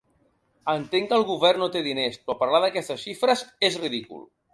Entenc que el govern no té diners, però parlar d’aquestes xifres és ridícul.